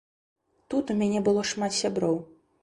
Тут у мяне было шмат сяброў.